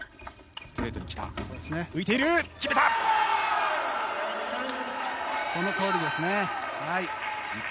ストレートに来た、浮いていその通りですね。